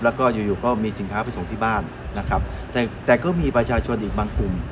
แล้วก็อยู่อยู่ก็มีสินค้าไปส่งที่บ้านนะครับแต่แต่ก็มีประชาชนอีกบางกลุ่ม